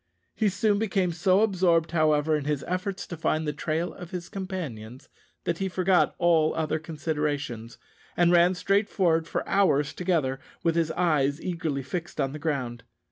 He soon became so absorbed, however, in his efforts to find the trail of his companions, that he forgot all other considerations, and ran straight forward for hours together with his eyes eagerly fixed on the ground.